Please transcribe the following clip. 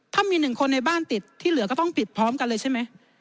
ถ้ามีหนึ่งคนในบ้านติดที่เหลือก็ต้องปิดพร้อมกันเลยใช่ไหม